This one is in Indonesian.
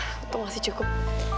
kutu masih cukup